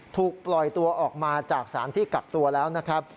ถูกปล่อยตัวออกมาจากสารที่กักตัวแล้วนะครับ